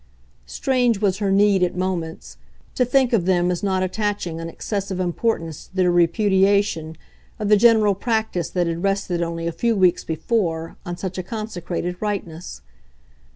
Strange was her need, at moments, to think of them as not attaching an excessive importance to their repudiation of the general practice that had rested only a few weeks before on such a consecrated rightness.